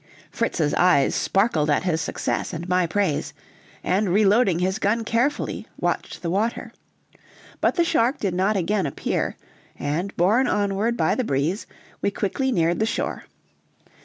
Fritz's eyes sparkled at his success and my praise, and reloading his gun carefully watched the water. But the shark did not again appear, and, borne onward by the breeze, we quickly neared the shore.